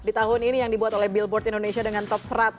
di tahun ini yang dibuat oleh billboard indonesia dengan top seratus